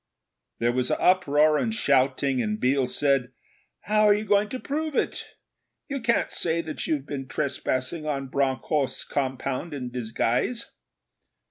There was uproar and shouting, and Biel said, 'How are you going to prove it? You can't say that you've been trespassing on Bronckhorst's compound in disguise!'